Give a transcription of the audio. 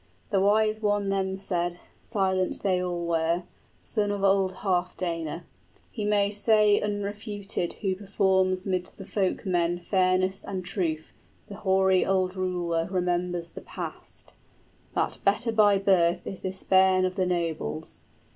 The wise one then said (silent they all were) {Hrothgar praises Beowulf.} Son of old Healfdene: "He may say unrefuted 50 Who performs 'mid the folk men fairness and truth (The hoary old ruler remembers the past), That better by birth is this bairn of the nobles!